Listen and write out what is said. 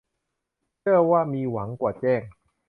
เชื่อว่ามีหวังกว่าแจ้ง